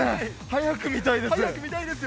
早く見たいです。